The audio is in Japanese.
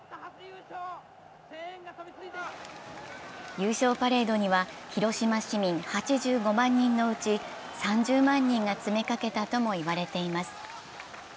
優勝パレードには広島市民８５万人のうち３０万人が詰めかけたとも言われています。